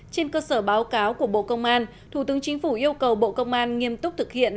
trên cơ sở báo cáo của bộ công an thủ tướng chính phủ yêu cầu bộ công an nghiêm túc thực hiện